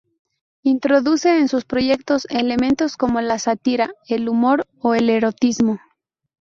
Introduce en sus proyectos elementos como la sátira, el humor o el erotismo.